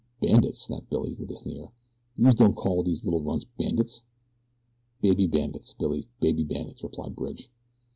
"Bandits?" snapped Billy, with a sneer. "Youse don't call dese little runts bandits?" "Baby bandits, Billy, baby bandits," replied Bridge.